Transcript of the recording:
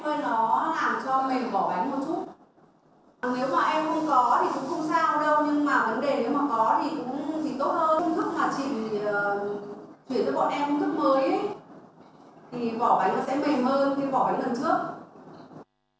thì bỏ bánh sẽ mềm hơn cái bỏ bánh lần trước